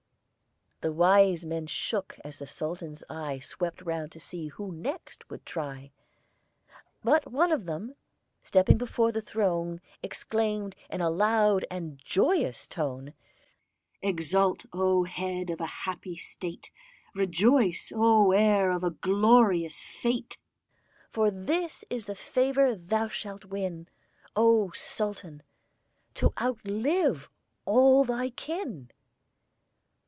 The wisemen shook as the Sultan's eye Swept round to see who next would try; But one of them, stepping before the throne, Exclaimed, in a loud and joyous tone: "Exult, O head of a happy state! Rejoice, O heir of a glorious fate! "For this is the favor thou shalt win, O Sultan to outlive all thy kin!"